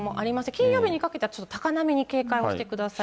金曜日にかけてはちょっと高波に警戒をしてください。